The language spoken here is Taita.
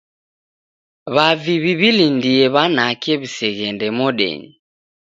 W'avi w'iw'ilindie w'anake w'iseghende modenyi